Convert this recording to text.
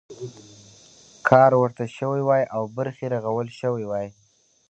کار ورته شوی وای او برخې رغول شوي وای.